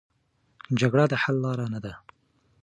جګړه د حل لاره نه ده.